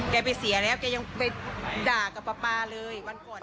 เขาไปเสียแล้วเขายังไปด่ากับปลาปลาเลย